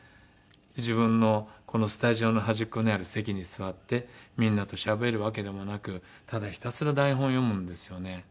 自分のスタジオの端っこにある席に座ってみんなとしゃべるわけでもなくただひたすら台本を読むんですよね。